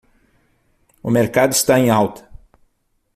O mercado está em alta.